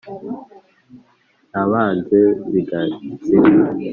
nabanze zingazinywe